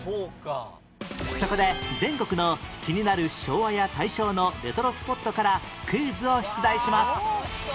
そこで全国の気になる昭和や大正のレトロスポットからクイズを出題します